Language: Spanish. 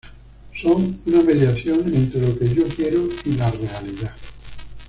Son una mediación entre lo que yo quiero y la realidad.